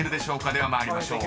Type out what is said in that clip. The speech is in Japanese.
では参りましょう。